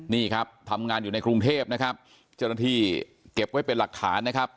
นี่ครับทำงานอยู่ในกรุงเทพนะครับเจ้าหน้าที่เก็บไว้เป็นหลักฐานนะครับ